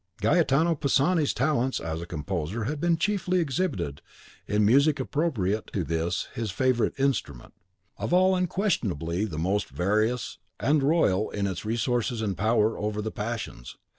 Gaetano Pisani's talents as a composer had been chiefly exhibited in music appropriate to this his favourite instrument, of all unquestionably the most various and royal in its resources and power over the passions.